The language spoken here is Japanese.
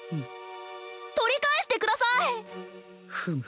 とりかえしてください！フム！